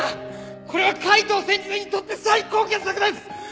これは海東先生にとって最高傑作です！